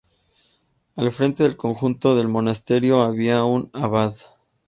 Al frente del conjunto del monasterio había un abad.